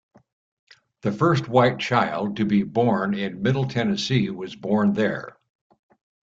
The first white child to be born in Middle Tennessee was born there.